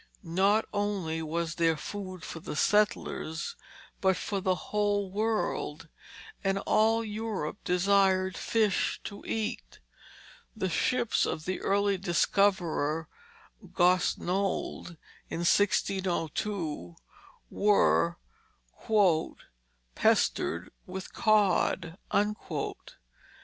Not only was there food for the settlers, but for the whole world, and all Europe desired fish to eat. The ships of the early discoverer, Gosnold, in 1602, were "pestered with cod."